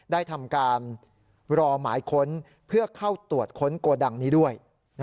ได้ทำการรอหมายค้นเพื่อเข้าตรวจค้นโกดังนี้ด้วย